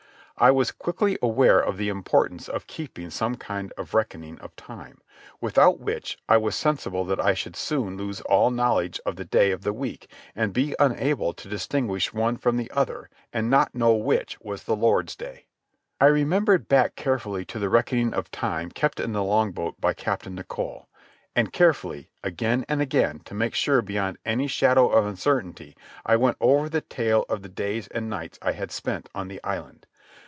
I was quickly aware of the importance of keeping some kind of reckoning of time, without which I was sensible that I should soon lose all knowledge of the day of the week, and be unable to distinguish one from the other, and not know which was the Lord's day. I remembered back carefully to the reckoning of time kept in the longboat by Captain Nicholl; and carefully, again and again, to make sure beyond any shadow of uncertainty, I went over the tale of the days and nights I had spent on the island.